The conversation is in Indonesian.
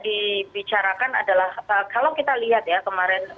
dibicarakan adalah kalau kita lihat ya kemarin